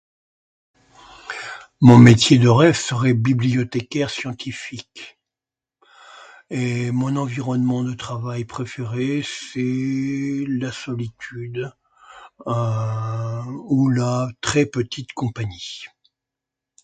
Mon métier de rêve serait bibliothécaire scientifique. Et mon environnement de travail préféré c'est la solitude, euh, ou la très petite compagnie.